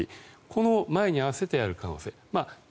この前に合わせてやる可能性があります。